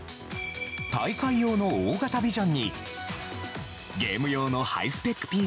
大会用の大型ビジョンにゲーム用のハイスペック